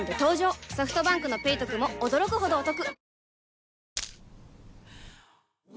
ソフトバンクの「ペイトク」も驚くほどおトク